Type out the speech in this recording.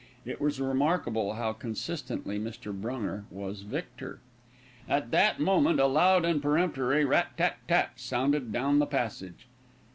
It was remarkable how consistently Mr. Brunger was victor. At that moment a loud and peremptory rat tat tat sounded down the passage.